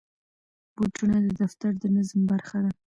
بوټونه د دفتر د نظم برخه ده.